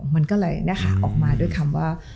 มันก็เลยได้ข่าวออกมาด้วยคำว่า